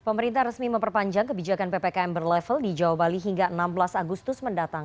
pemerintah resmi memperpanjang kebijakan ppkm berlevel di jawa bali hingga enam belas agustus mendatang